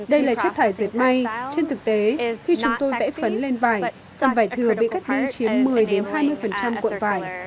đây là chất thải diệt may trên thực tế khi chúng tôi vẽ phấn lên vải phần vải thừa bị cắt đi chiếm một mươi đến hai mươi phần trăm cuộn vải